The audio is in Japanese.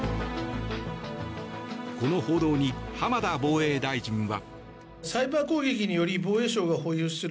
この報道に浜田防衛大臣は。